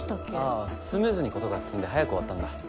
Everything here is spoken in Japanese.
あぁスムーズに事が進んで早く終わったんだ。